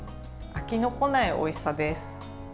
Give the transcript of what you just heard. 飽きのこないおいしさです。